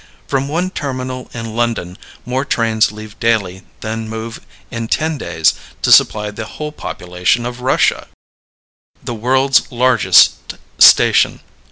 From one terminal in London more trains leave daily than move in ten days to supply the whole population of Russia. The World's Largest Station.